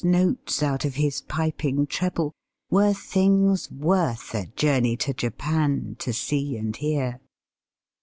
13 notes out of his piping treble, were things worth a journey to Japan to see and hear.